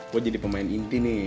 gue jadi pemain inti nih